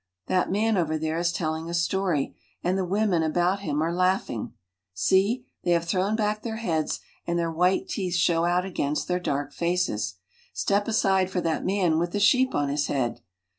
That man over there is telling a story, and the women about him are 1 laughing. See, they have thrown back their heads and I their white teeth show out against their dark faces. Step I aside for that man with the sheep on his head!